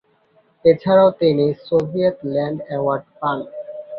এছাড়া তিনি "Soviet Land award" পান।